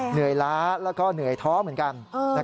ล้าแล้วก็เหนื่อยท้อเหมือนกัน